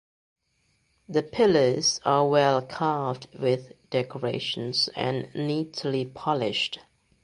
The pillars are well carved with decorations and neatly polished.